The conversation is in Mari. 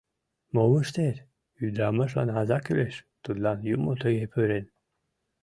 Мом ыштет, ӱдырамашлан аза кӱлеш, тудлан Юмо тыге пӱрен.